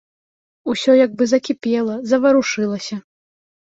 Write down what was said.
Усё як бы закіпела, заварушылася.